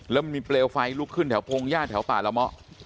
แล้วมีเปลวไฟลูกขึ้นแถวโพงแย่แถวป่าละหม้